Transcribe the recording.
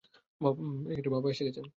বাবা এসে গেছেন।